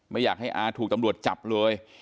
ไม่อยากให้อาถูกตำรวจจับเลย